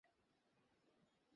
আমার সব recording delete করে দিচ্ছি।